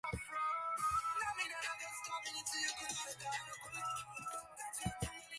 文具